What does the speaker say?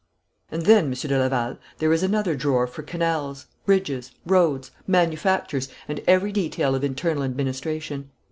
'And then, Monsieur de Laval, there is another drawer for canals, bridges, roads, manufactures, and every detail of internal administration.